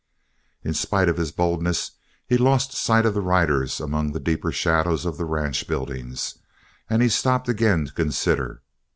In spite of his boldness he lost sight of the riders among the deeper shadows of the ranch buildings, and he stopped again to consider.